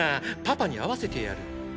パパに会わせてやる。